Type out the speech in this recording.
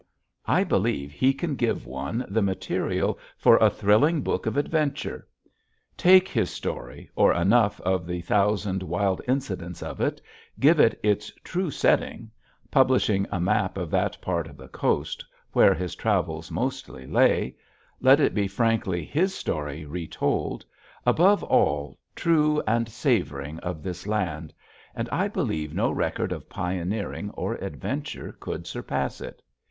I believe he can give one the material for a thrilling book of adventure. Take his story, or enough of the thousand wild incidents of it, give it its true setting publishing a map of that part of the coast where his travels mostly lay let it be frankly his story retold, above all true and savoring of this land and I believe no record of pioneering or adventure could surpass it.